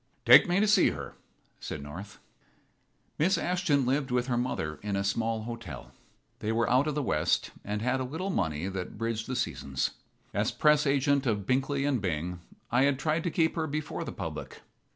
"Take me to see her," said North. Miss Ashton lived with her mother in a small hotel. They were out of the West, and had a little money that bridged the seasons. As press agent of Binkley & Bing I had tried to keep her before the public.